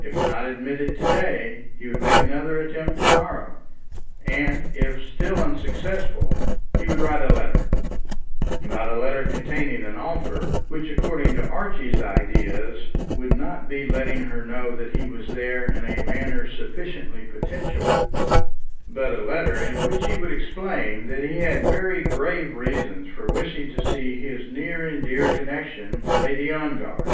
If not admitted to day he would make another attempt to morrow, and, if still unsuccessful, he would write a letter; not a letter containing an offer, which according to Archie's ideas would not be letting her know that he was there in a manner sufficiently potential, but a letter in which he would explain that he had very grave reasons for wishing to see his near and dear connexion, Lady Ongar.